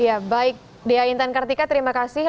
ya baik dea intan kartika terima kasih